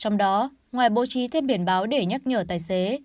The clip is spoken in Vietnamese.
trong đó ngoài bố trí thêm biển báo để nhắc nhở tài xế